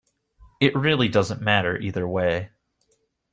It really doesn't matter either way.